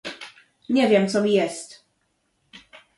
"Nie wiem, co mi jest."